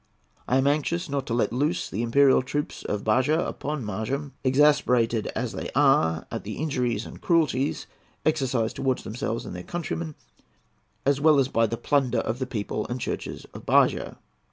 I am anxious not to let loose the imperial troops of Bahia upon Maranham, exasperated as they are at the injuries and cruelties exercised towards themselves and their countrymen, as well as by the plunder of the people and churches of Bahia.